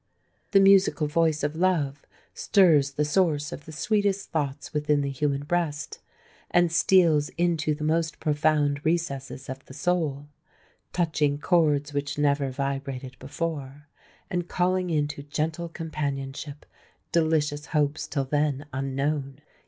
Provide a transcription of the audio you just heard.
The musical voice of Love stirs the source of the sweetest thoughts within the human breast, and steals into the most profound recesses of the soul, touching chords which never vibrated before, and calling into gentle companionship delicious hopes till then unknown!